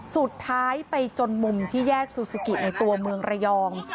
สุดท้ายไปจนมุมที่แยกซูซูกิในตัวเมืองระยอง